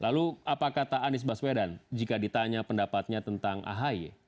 lalu apa kata anies baswedan jika ditanya pendapatnya tentang ahy